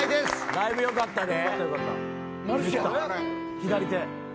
だいぶ良かったで。